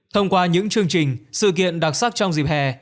thông qua những chương trình sự kiện đặc sắc trong dịp hè